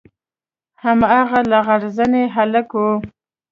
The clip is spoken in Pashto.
هماغه لغړ زنى هلک و.